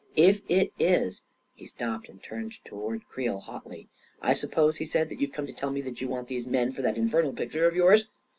If it is ••." He stopped and turned toward Creel hotly. " I suppose," he said, " that youVe come to tell me that you want these men for that infernal picture of yours